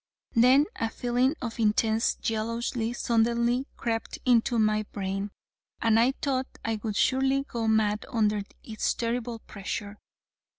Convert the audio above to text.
Then a feeling of intense jealousy suddenly crept into my brain, and I thought I would surely go mad under its terrible pressure.